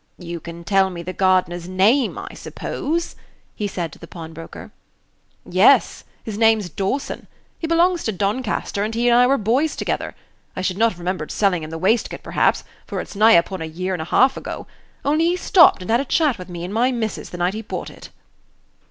"You can tell me the gardener's name, I suppose?" he said to the pawnbroker. "Yes; his name's Dawson. He belongs to Doncaster, and he and I were boys together. I should not have remembered selling him the waistcoat, perhaps for it's nigh upon a year and a half ago only he stopped and had a chat with me and my missis the night he bought it."